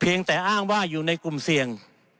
แต่อ้างว่าอยู่ในกลุ่มเสี่ยง